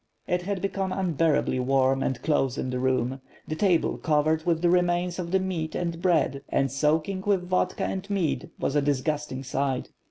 It had become unbearably warm and close in the room. The table covered with the remains of the meat and bread, and soaking with vodka and mead was a disgu ting sight.